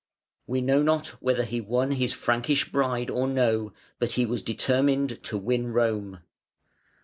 We know not whether he won his Frankish bride or no, but he was determined to win Rome.